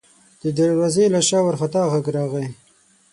د دروازې له شا وارخطا غږ راغی: